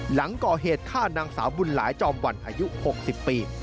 หลังก่อเหตุฆ่านางสาวบุญหลายจอมวันอายุ๖๐ปี